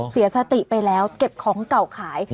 เสียสติไปแล้วเก็บของเก่าขาย